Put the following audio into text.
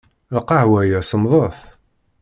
Lqahwa-ya semmḍet.